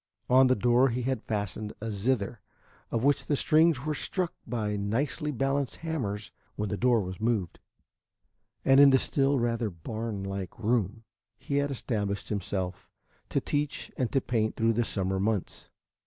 On the door he had fastened a zither, of which the strings were struck by nicely balanced hammers when the door was moved, and in the still rather barn like room, he had established himself to teach and to paint through the summer months.